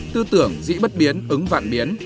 tư tưởng dĩ bất biến ứng vạn biến